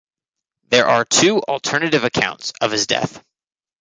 There are two alternative accounts of his death.